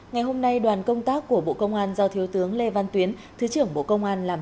ngày hôm nay đoàn công tác của bộ công an do thiếu tướng lê văn tuyến thứ trưởng bộ công an làm